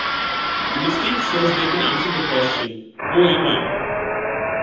The mystique says they can answer the question 'Who am I?